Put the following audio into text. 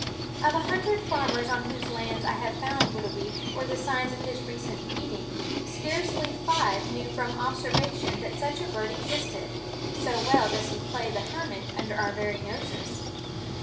Of a hundred farmers on whose lands I have found Whitooweek or the signs of his recent feeding, scarcely five knew from observation that such a bird existed, so well does he play the hermit under our very noses.